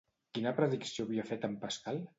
Quina predicció havia fet en Pascal?